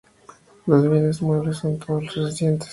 Los bienes muebles son todos recientes.